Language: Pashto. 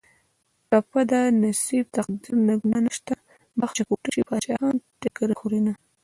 ټپه ده: نصیب تقدیر نه ګناه نشته بخت چې کوټه شي بادشاهان ټکرې خورینه